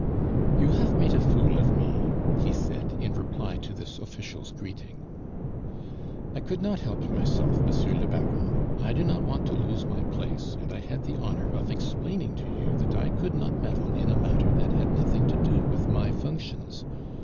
"You haf mate a fool of me!" he said, in reply to this official's greeting. "I could not help myself, Monsieur le Baron. I do not want to lose my place, and I had the honor of explaining to you that I could not meddle in a matter that had nothing to do with my functions.